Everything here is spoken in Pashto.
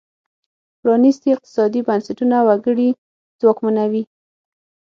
پرانیستي اقتصادي بنسټونه وګړي ځواکمنوي.